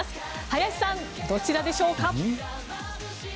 林さん、どちらでしょうか。